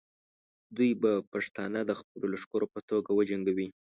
دوی به پښتانه د خپلو لښکرو په توګه وجنګوي.